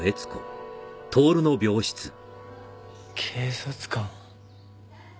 警察官？